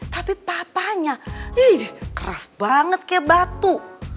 tapi papanya keras banget kayak batu